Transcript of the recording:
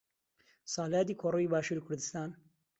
ساڵیادی کۆڕەوی باشووری کوردستان